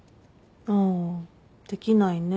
ああできないね